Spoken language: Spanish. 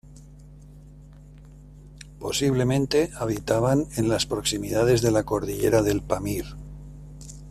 Posiblemente habitaban en las proximidades de la cordillera del Pamir.